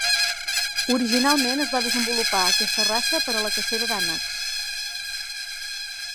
Originalment es va desenvolupar aquesta raça per a la cacera d'ànecs.